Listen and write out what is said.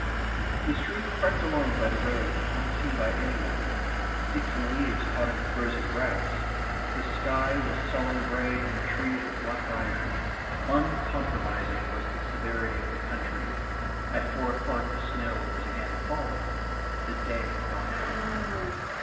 The stream crept along by the road unseen by any one. Sticks and leaves caught in the frozen grass. The sky was sullen grey and the trees of black iron. Uncompromising was the severity of the country. At four o'clock the snow was again falling. The day had gone out.